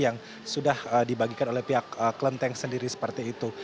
yang sudah dibagikan oleh pihak kelenteng sendiri seperti itu